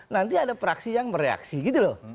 nanti ada praksi yang bereaksi gitu loh